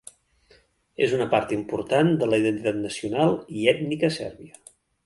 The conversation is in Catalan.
És una part important de la identitat nacional i ètnica sèrbia.